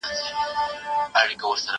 هغه وويل چي لوښي وچول مهم دي؟!